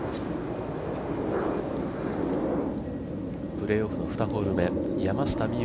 プレーオフの２ホール目、山下美夢